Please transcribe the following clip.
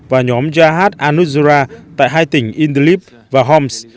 và nhóm jihad al nusra tại hai tỉnh idlib và homs